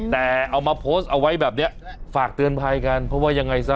แต่เอามาโพสต์เอาไว้แบบนี้ฝากเตือนภัยกันเพราะว่ายังไงซะ